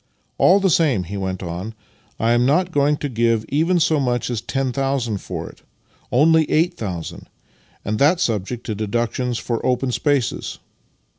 " All the same," he went on, "I am not going to give even so much as 10,000 for it — only 8000 — and that subject to deductions for open spaces.